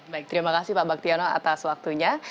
baik terima kasih pak baktiono atas waktunya